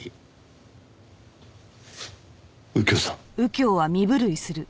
右京さん？